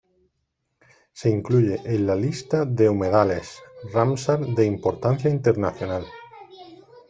Se incluye en la Lista de Humedales Ramsar de importancia internacional.